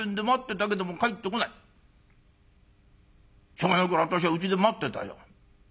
しょうがないから私はうちで待ってたよ。